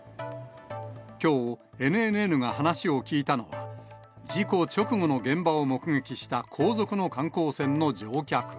きょう、ＮＮＮが話を聞いたのは、事故直後の現場を目撃した後続の観光船の乗客。